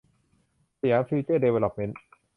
สยามฟิวเจอร์ดีเวลอปเมนท์